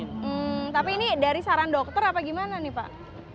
hmm tapi ini dari saran dokter apa gimana nih pak